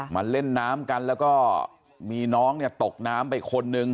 มาเล่นน้ำกันแล้วก็มีน้องเนี่ยตกน้ำไปคนนึง